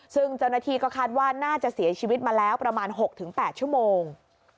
ซึ่งเจ้าหน้าที่ก็คาดว่าน่าจะเสียชีวิตมาแล้วประมาณ๖๘ชั่วโมง